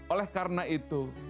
oleh karena itu